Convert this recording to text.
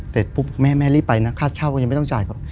เสร็จปุ๊บแม่รีบไปนะค่าเช่าก็ยังไม่ต้องจ่ายหรอก